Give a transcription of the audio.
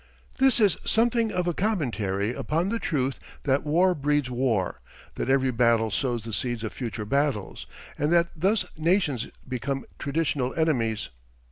This is something of a commentary upon the truth that war breeds war, that every battle sows the seeds of future battles, and that thus nations become traditional enemies.